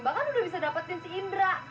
bahkan udah bisa dapetin si indra